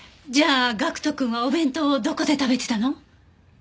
じゃあ岳人くんはお弁当をどこで食べてたの？